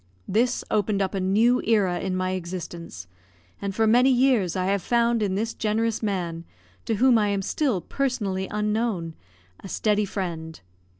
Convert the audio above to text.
This opened up a new era in my existence; and for many years I have found in this generous man, to whom I am still personally unknown, a steady friend.